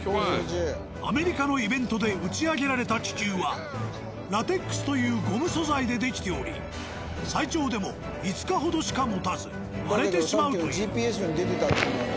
アメリカのイベントで打ち上げられた気球はラテックスというゴム素材で出来ており最長でも５日ほどしかもたず割れてしまうという。